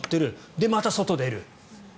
で、また外に出る。